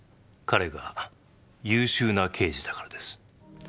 彼が優秀な刑事だからです。